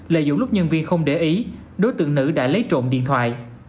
lợi dụng lúc nhân viên không để ý đối tượng nữ đã lấy trộm điện thoại